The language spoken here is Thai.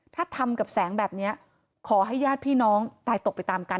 ถ้าทำกับแสงแบบนี้ขอให้ญาติพี่น้องตายตกไปตามกัน